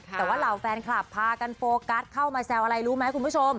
แต่ว่าเหล่าแฟนคลับพากันโฟกัสเข้ามาแซวอะไรรู้ไหมคุณผู้ชม